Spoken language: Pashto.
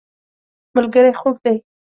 ملګری خوږ دی.